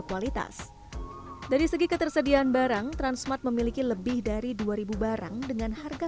kualitas dari segi ketersediaan barang transmart memiliki lebih dari dua ribu barang dengan harga